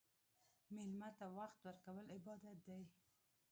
مېلمه ته وخت ورکول عبادت دی.